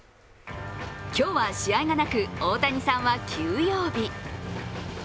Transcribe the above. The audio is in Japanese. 今日は、試合がなく大谷さんは休養日。